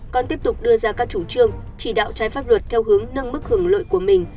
còn tiếp tục đưa ra các chủ trương chỉ đạo trái pháp luật theo hướng nâng mức hưởng lợi của mình